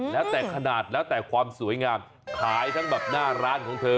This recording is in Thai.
แล้วแต่ขนาดแล้วแต่ความสวยงามขายทั้งแบบหน้าร้านของเธอ